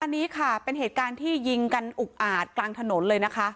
อันนี้ค่ะเป็นเหตุการณ์ที่ยิงกันอุกอาจกลางถนนเลยนะคะ